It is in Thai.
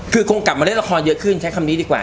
คือคงกลับมาเล่นละครเยอะขึ้นใช้คำนี้ดีกว่า